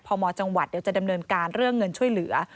มจังหวัดเดี๋ยวจะดำเนินการเรื่องเงินช่วยเหลือ